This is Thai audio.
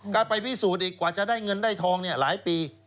ก็ไปพิสูจน์อีกกว่าจะได้เงินได้ทองหลายปี